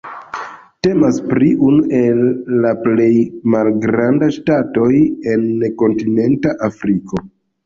Temas pri unu el la plej malgrandaj ŝtatoj en kontinenta Afriko.